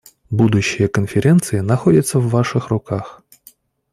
Будущее Конференции находится в ваших руках.